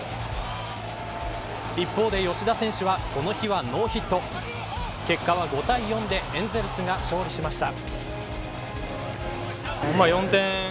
一方で、吉田選手はこの日はノーヒット。結果は５対４でエンゼルスが勝利しました。